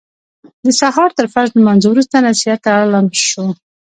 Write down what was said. د سهار تر فرض لمانځه وروسته نصیحت ته اړم شو.